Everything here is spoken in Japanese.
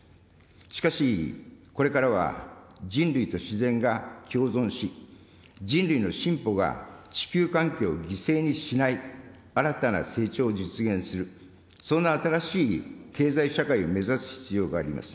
しかし、これからは人類と自然が共存し、人類の進歩が地球環境を犠牲にしない新たな成長を実現する、そんな新しい経済社会を目指す必要があります。